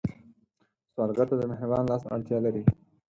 سوالګر ته د مهربان لاس اړتیا لري